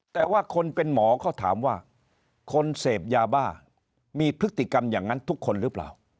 แต่ว่าคนเป็นหมอเขาถามว่าคนเสพยาบ้ามีพฤติกรรมอย่างนั้นทุกคนหรือเปล่า